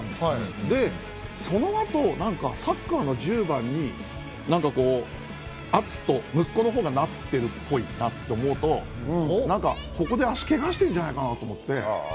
で、その後、何かサッカーの１０番に篤斗、息子のほうがなってるっぽいなと思うとここで足をけがしてんじゃないかなと思って。